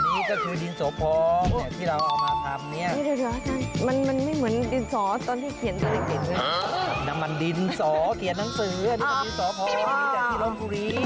อันนี้ก็ดินสระพองนี่แสดงทรีย์ลมกุรี